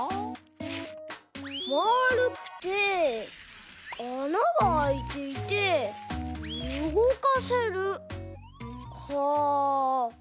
まるくてあながあいていてうごかせるか。